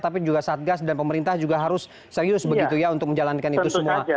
tapi juga satgas dan pemerintah juga harus serius begitu ya untuk menjalankan itu semua